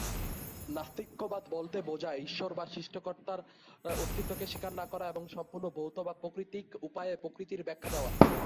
নাস্তিক্যবাদ বলতে বোঝায় ঈশ্বর বা সৃষ্টিকর্তার অস্তিত্বকে স্বীকার না করা এবং সম্পূর্ণ ভৌত বা প্রাকৃতিক উপায়ে প্রকৃতির ব্যাখ্যা দেওয়া।